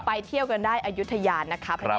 เที่ยวกันได้อายุทยานะคะ